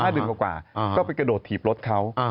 เดือนกว่าก็ไปกระโดดถีบรถเขา